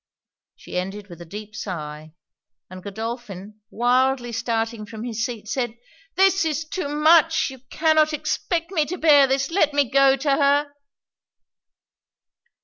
She ended with a deep sigh; and Godolphin, wildly starting from his seat, said 'This is too much! you cannot expect me to bear this! let me go to her!'